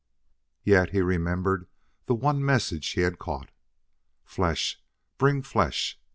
Yet he remembered the one message he had caught: "Flesh! Bring flesh!"